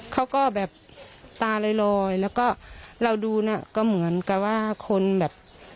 เขาก็แบบตาลอยแล้วก็เราดูน่ะก็เหมือนกับว่าคนแบบ